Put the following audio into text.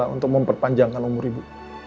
untuk memperpanjangkan umur ibu